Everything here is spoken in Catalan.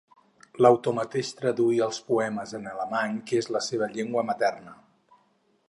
L'autor mateix traduí els poemes en alemany que és la seva llengua materna.